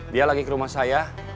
dia lagi ke rumah saya